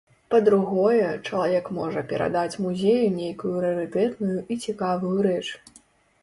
Па-другое, чалавек можа перадаць музею нейкую рарытэтную і цікавую рэч.